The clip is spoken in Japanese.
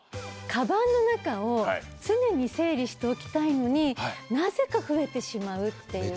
カバンの中を常に整理しておきたいのになぜか増えてしまうっていう。